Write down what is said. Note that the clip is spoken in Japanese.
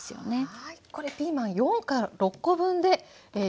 はい。